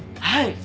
はい。